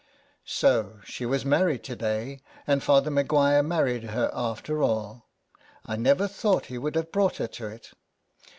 *' So she was married to day, and Father Maguire married her after all. I never thought he would have brought her to it.